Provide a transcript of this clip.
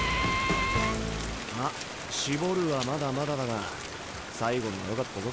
まあ絞るはまだまだだが最後のはよかったぞ。